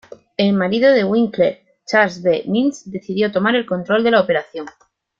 El marido de Winkler, Charles B. Mintz, decidió tomar el control de la operación.